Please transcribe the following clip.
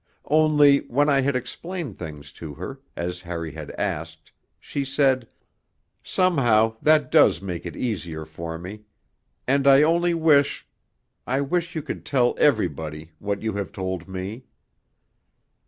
Only, when I had explained things to her, as Harry had asked, she said: 'Somehow, that does make it easier for me and I only wish I wish you could tell everybody what you have told me.'